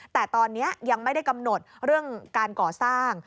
แต่ตอนนี้ยังไม่ได้กำหนดเรื่องการก่อสร้าง